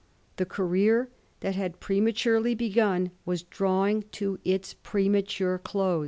The career that had prematurely begun was drawing to its premature close.